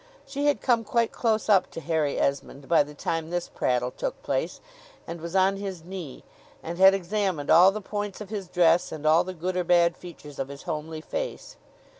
She had come quite close up to Harry Esmond by the time this prattle took place, and was on his knee, and had examined all the points of his dress, and all the good or bad features of his homely face.